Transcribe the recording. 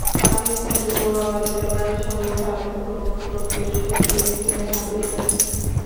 পাকিস্তানি বোবা বালিকা মায়ের সঙ্গে ভারতে ভ্রমণ করতেএসে ট্রেন থেকে হারিয়ে যায়।